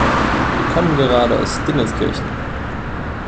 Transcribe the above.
Wir kommen gerade aus Dingenskirchen.